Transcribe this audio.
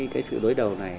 cái sự đối đầu này